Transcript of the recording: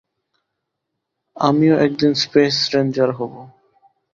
আমিও একদিন space ranger হবো।